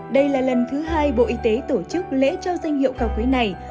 đây là lần thứ hai bộ y tế tổ chức lễ trao danh hiệu cao quý này